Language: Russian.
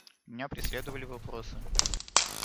Меня преследовали вопросы.